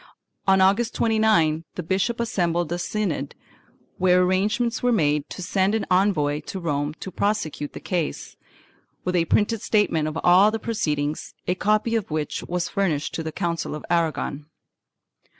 On August 29th the bishop assembled a synod where arrangements were made to send an envoy to Rome to prosecute the case, with a printed statement of all the proceedings, a copy of which was furnished to the Council of Aragon.